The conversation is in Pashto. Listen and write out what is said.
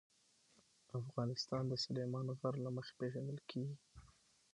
افغانستان د سلیمان غر له مخې پېژندل کېږي.